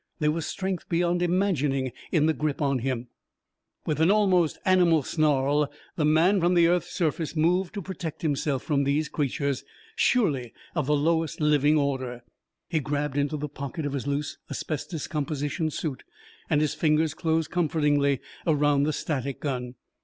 There was strength beyond imagining in the grip on him. With an almost animal snarl the man from the earth's surface moved to protect himself from these creatures, surely of the lowest living order. He grabbed into the pocket of his loose asbestos composition suit, and his fingers closed comfortingly around the static gun.